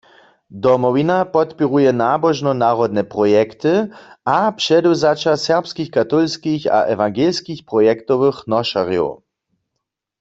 Domowina podpěruje nabožno-narodne projekty a předewzaća serbskich katolskich a ewangelskich projektowych nošerjow.